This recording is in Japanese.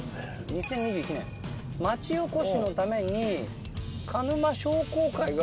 ２０２１年街おこしのために鹿沼商工会が。